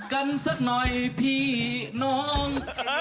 กันสักหน่อยพี่น้อง